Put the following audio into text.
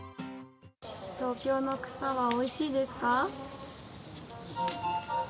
東京の草はおいしいですか？